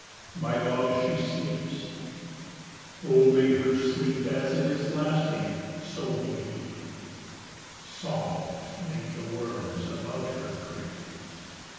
My love, she sleeps! Oh, may her sleep, As it is lasting, so be deep; Soft may the worms about her creep!